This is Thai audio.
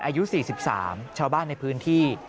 อายุ๔๓ชาวบ้านในพื้นที่